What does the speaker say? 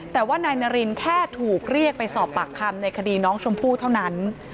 แต่ว่านายนารินแค่ถูกเรียกไปสอบปากคำในคดีน้องชมพู่เท่านั้น